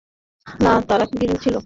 হ্যাঁ, তারা বীর ছিল।